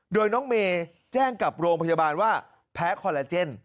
โดยน้องเมย์แจ้งกับโรงพยาบาลว่าแพ้คอลลาเจน